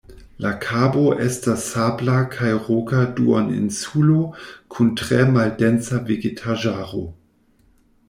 La kabo estas sabla kaj roka duoninsulo kun tre maldensa vegetaĵaro.